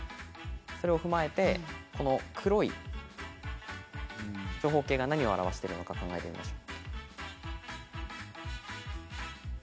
それを踏まえて黒い長方形が何を表しているのか考えてみましょう。